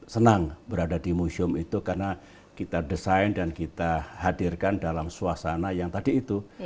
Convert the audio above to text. senang berada di museum itu karena kita desain dan kita hadirkan dalam suasana yang tadi itu